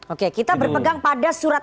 oke kita berpegang pada surat